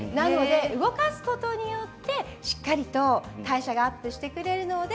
動かすことによってしっかりと代謝がアップしてくれるので